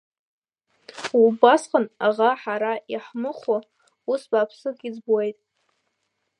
Усҟан аӷа ҳара иаҳмыхәо ус бааԥсык иӡбуеит.